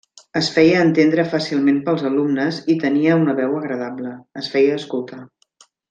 Es feia entendre fàcilment pels alumnes i tenia una veu agradable: es feia escoltar.